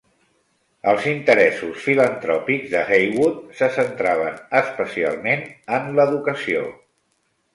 Els interessos filantròpics de Heywood se centraven especialment en l'educació.